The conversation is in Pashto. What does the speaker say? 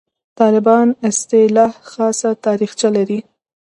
«طالبان» اصطلاح خاصه تاریخچه لري.